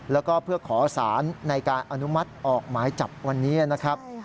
แล้วก็เพื่อขอสารในการอนุมัติออกหมายจับวันนี้นะครับ